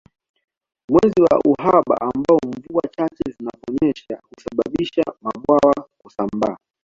Mwezi wa uhaba ambao mvua chache zinaponyesha husababisha mabwawa kusambaa